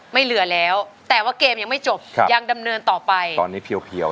เหลือแล้วแต่ว่าเกมยังไม่จบครับยังดำเนินต่อไปตอนนี้เพียวเพียว